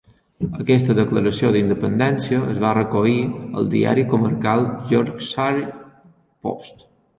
Aquesta declaració d'independència es va recollir al diari comarcal "Yorkshire Post".